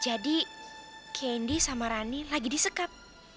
jadi candy sama rani lagi disekap